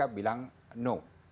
terus berani mengambil sikap